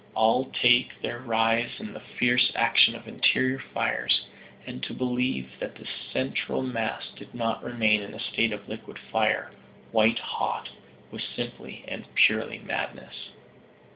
All take their rise in the fierce action of interior fires, and to believe that the central mass did not remain in a state of liquid fire, white hot, was simply and purely madness.